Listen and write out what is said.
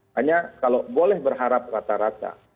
hanya kalau boleh berharap rata rata